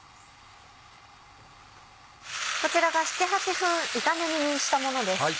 こちらが７８分炒め煮にしたものです。